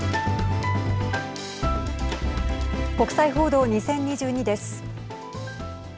国際報道２０２２です。